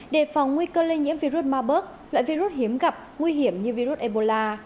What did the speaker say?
đề phòng nguy cơ lây nhiễm virus maburg loại virus hiếm gặp nguy hiểm như virus ebola